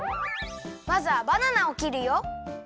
まずはバナナをきるよ。